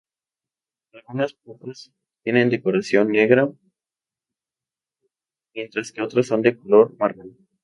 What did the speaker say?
Algunas pupas tienen coloración negra, mientras que otras son de color marrón.